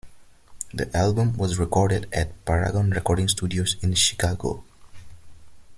The album was recorded at Paragon Recording Studios in Chicago.